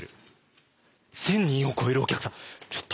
１，０００人を超えるお客さんちょっとあらら。